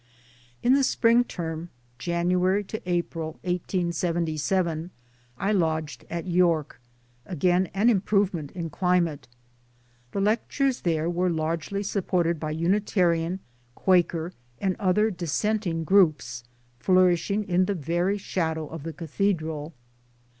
In the Spring term, January to April, 1877, I lodged at York again an improvement in climate. The lectures there were largely supported by Unitarian, Quaker, and other dissenting groups flourishing in the very shadow of the Cathedral.